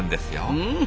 うん！